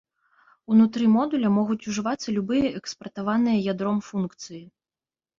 Унутры модуля могуць ужывацца любыя экспартаваныя ядром функцыі.